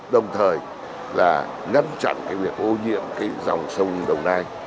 đồng thời là ngăn chặn cái việc ô nhiễm cái dòng sông đồng nai